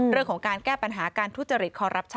เรื่องของการแก้ปัญหาการทุจริต